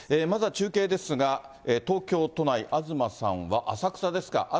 まずは中継ですが、東京都内、東さんは浅草ですか。